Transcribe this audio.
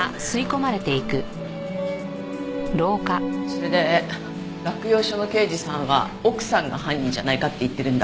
それで洛陽署の刑事さんは奥さんが犯人じゃないかって言ってるんだ。